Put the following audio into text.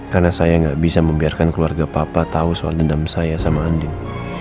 karena saya nggak bisa membiarkan keluarga papa tahu soal dendam saya sama andin